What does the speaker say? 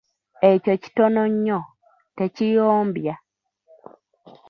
Ekyo kitono nnyo! tekiyombya.